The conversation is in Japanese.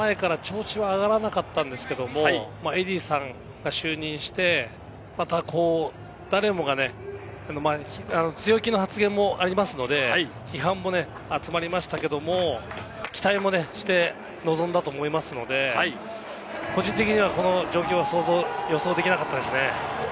ワールドカップの前から調子は上がらなかったんですけれども、エディーさんが就任して誰もが強気の発言もありますので、批判も集まりましたけれども、期待もして臨んだと思いますので、個人的にはこの状況は予想できなかったですね。